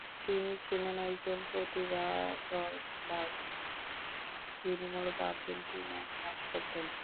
তিনি ছিলেন একজন প্রতিভাধর বাগ্মী, যিনি মূলত আর্জেন্টিনায় বাস করতেন।